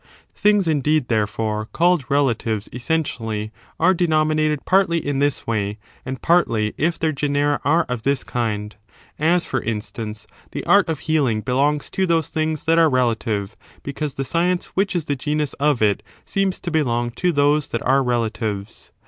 Things, indeed, therefore, called relatives es 5 Q^^ieT senses sentially are denominated partly in this way, of the word and partly if their genera are of this kind ; as, '^^*^*^® for instance, the art of healing belongs to those things that are relative, because the science which is the genus of it seems to belong to those that are relatives.